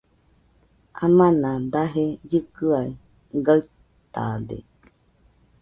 Amana daje llɨkɨaɨ gaɨtade